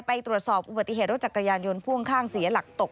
ไปตรวจสอบอุบัติเหตุรถจักรยานยนต์พ่วงข้างเสียหลักตก